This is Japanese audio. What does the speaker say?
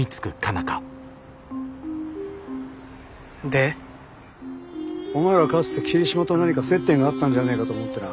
で？お前らかつて桐島と何か接点があったんじゃねえかと思ってな。